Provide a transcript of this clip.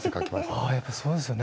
ああやっぱそうですよね